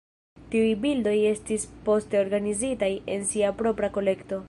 Tiuj bildoj estis poste organizitaj en sia propra kolekto.